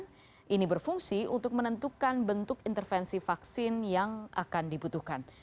vaksin ini berfungsi untuk menentukan bentuk intervensi vaksin yang akan dibutuhkan